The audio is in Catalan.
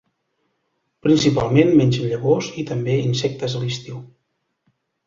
Principalment mengen llavors, i també insectes a l'estiu.